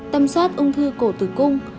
tầm soát ung thư cổ tử cung